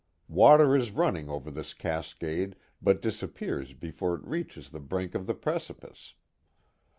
Water is running over this cascade, but disappears before it reaches the biink of the precipice.